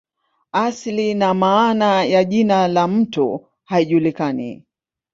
Asili na maana ya jina la mto haijulikani.